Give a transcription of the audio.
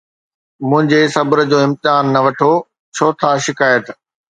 منهنجي صبر جو امتحان نه وٺو، ڇو ٿا شڪايت؟